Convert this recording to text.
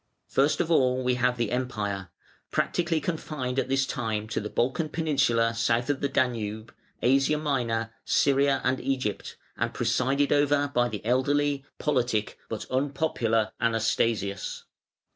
First of all we have the Empire, practically confined at this time to "the Balkan peninsula" south of the Danube, Asia Minor, Syria, and Egypt, and presided over by the elderly, politic, but unpopular Anastasius.